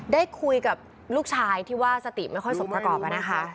ได้คุยกับลูกชายที่ว่าสติไม่ค่อยสมประกอบนะคะ